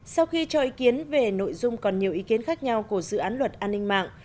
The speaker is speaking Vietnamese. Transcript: sau khi cho ý kiến về nội dung còn nhiều ý kiến khác nhau của dự án luật an ninh mạng